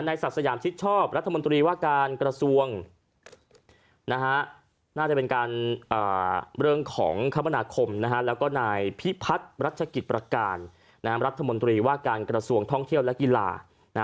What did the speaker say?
ศักดิ์สยามชิดชอบรัฐมนตรีว่าการกระทรวงน่าจะเป็นการเรื่องของคมนาคมแล้วก็นายพิพัฒน์รัชกิจประการรัฐมนตรีว่าการกระทรวงท่องเที่ยวและกีฬา